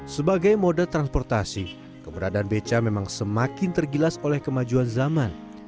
sebagai moda transportasi keberadaan beca memang semakin tergilas oleh kemajuan zaman